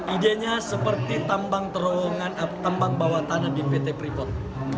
ide nya seperti tambang bawah tanah di pt freeport